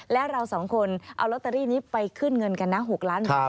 และเราสองคนเอาลอตเตอรี่นี้ไปขึ้นเงินกันนะ๖ล้านบาท